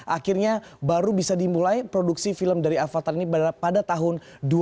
akhirnya baru bisa dimulai produksi film dari avatar ini pada tahun dua ribu dua